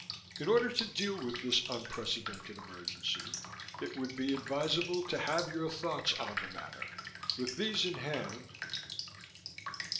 In order to deal with this unprecedented emergency, it would be advisable to have your thoughts on the matter. With these in hand....